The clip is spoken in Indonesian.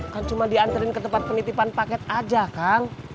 kan cuma diantarin ke tempat penitipan paket aja kang